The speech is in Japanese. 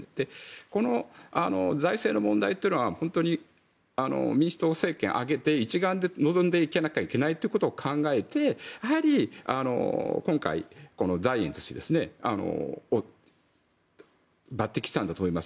この財政の問題というのは本当に民主党政権挙げて一丸で臨んでいかなきゃいけないということを考えて今回、ザイエンツ氏を抜てきしたんだと思います。